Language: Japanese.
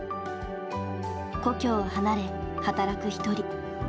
故郷を離れ働く一人。